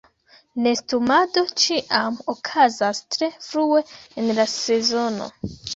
Nestumado ĉiam okazas tre frue en la sezono.